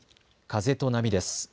風と波です。